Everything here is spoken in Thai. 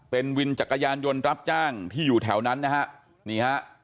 เป็นวินจักรยานยนต์รับจ้างที่อยู่แถวนั้นนะฮะนี่ฮะ